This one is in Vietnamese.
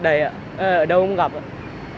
ờ đây ạ ở đâu cũng gặp ạ